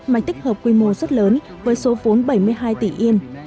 mà tích hợp quy mô rất lớn với số phốn bảy mươi hai tỷ yen